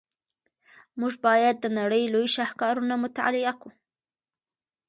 موږ باید د نړۍ لوی شاهکارونه مطالعه کړو.